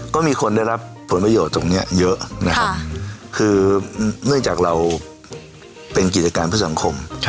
ก็มีคนได้รับผลประโยชน์ตรงนี้เยอะนะครับคือเนื่องจากเราเป็นกิจการเพื่อสังคม